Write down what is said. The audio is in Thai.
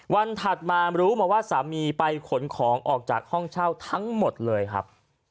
ถัดมารู้มาว่าสามีไปขนของออกจากห้องเช่าทั้งหมดเลยครับ